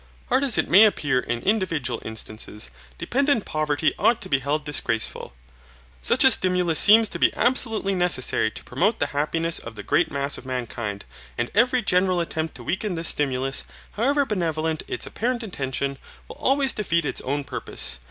Hard as it may appear in individual instances, dependent poverty ought to be held disgraceful. Such a stimulus seems to be absolutely necessary to promote the happiness of the great mass of mankind, and every general attempt to weaken this stimulus, however benevolent its apparent intention, will always defeat its own purpose.